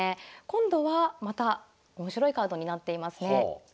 今度はまた面白いカードになっていますね。